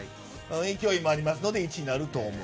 勢いもありますので１位になると思う。